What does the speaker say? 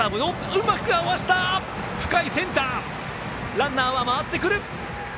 ランナーは回ってくる！